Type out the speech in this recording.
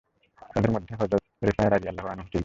তাদের মধ্যে হযরত রেফায়া রাযিয়াল্লাহু আনহুও ছিল।